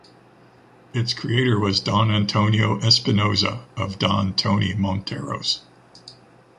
Its creator was Don Antonio Espinoza of “Don Tony” Monteros.